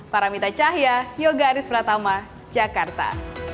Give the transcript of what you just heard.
paramita cahya yoga aris pratama jakarta